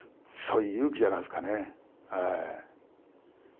いう勇気じゃないですかねはい。